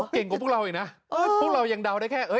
เก่งกว่าพวกเราอีกนะพวกเรายังเดาได้แค่